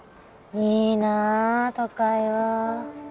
いいな都会は。